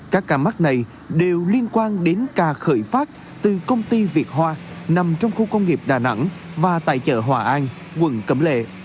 các ca mắc này đều liên quan đến ca khởi phát từ công ty việt hoa nằm trong khu công nghiệp đà nẵng và tại chợ hòa an quận cẩm lệ